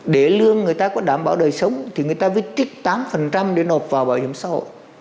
để lương người ta có đảm bảo đời sống thì người ta mới trích tám để nộp vào bảo hiểm xã hội